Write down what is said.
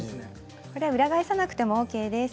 裏返さなくてもＯＫです。